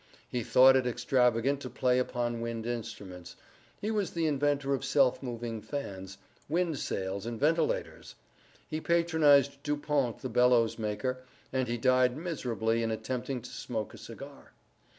He thought it extravagant to play upon wind instruments. He was the inventor of self moving fans, wind sails, and ventilators. He patronized Du Pont the bellows maker, and he died miserably in attempting to smoke a cigar.